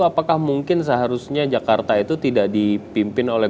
apakah mungkin seharusnya jakarta itu tidak dipimpin oleh